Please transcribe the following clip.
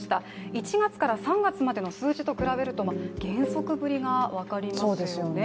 １月から３月までの数字と比べると減速ぶりが分かりますよね。